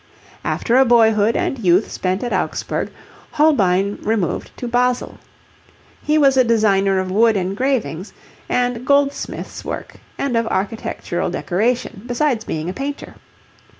After a boyhood and youth spent at Augsburg, Holbein removed to Basle. He was a designer of wood engravings and goldsmiths work and of architectural decoration, besides being a painter.